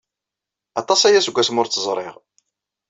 Aṭas aya seg wasmi ur tt-ẓriɣ.